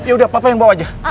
ya udah papa yang bawa aja